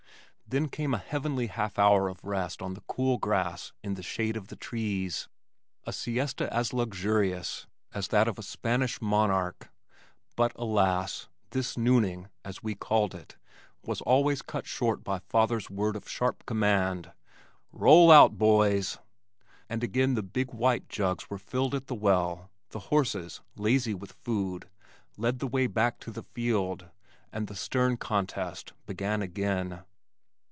Then came a heavenly half hour of rest on the cool grass in the shade of the trees, a siesta as luxurious as that of a Spanish monarch but alas! this "nooning," as we called it, was always cut short by father's word of sharp command, "Roll out, boys!" and again the big white jugs were filled at the well, the horses, lazy with food, led the way back to the field, and the stern contest began again.